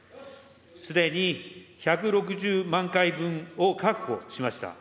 すでに１６０万回分を確保しました。